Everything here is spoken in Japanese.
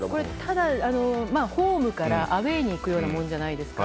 ただ、ホームからアウェーにいくようなものじゃないですか。